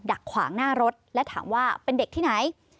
ดักขวางหน้ารถและถามว่าเป็นเด็กที่ไหน